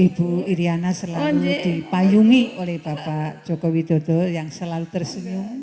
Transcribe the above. ibu iryana selalu dipayungi oleh bapak joko widodo yang selalu tersenyum